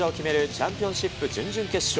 チャンピオンシップ準々決勝。